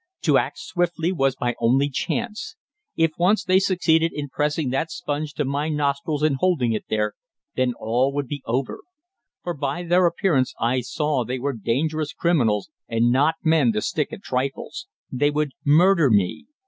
To act swiftly was my only chance. If once they succeeded in pressing that sponge to my nostrils and holding it there, then all would be over; for by their appearance I saw they were dangerous criminals, and not men to stick at trifles. They would murder me.